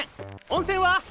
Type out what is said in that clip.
温泉は？